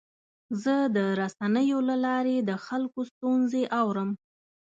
زه د رسنیو له لارې د خلکو ستونزې اورم.